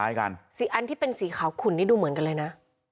สีอันที่เป็นสีขาวขุนนี่ดูเหมือนกันเลยนะ